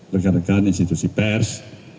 rekan rekan institusi pers